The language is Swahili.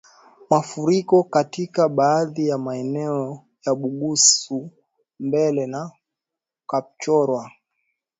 Mafuriko katika baadhi ya maeneo ya Bugisu Mbale na Kapchorwa